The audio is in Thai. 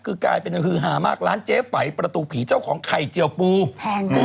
คือกลายเป็นฮือฮามากร้านเจ๊ไฝประตูผีเจ้าของไข่เจียวปูแพงปู